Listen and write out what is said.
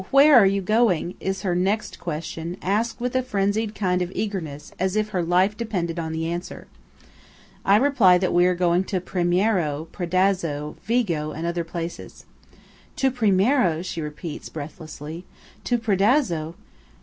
where are you going?" is her next question, asked with a frenzied kind of eagerness, as if her life depended on the answer. I reply that we are going to Primiero, Predazzo, Vigo, and other places. "To Primiero!" she repeats, breathlessly. "To Predazzo!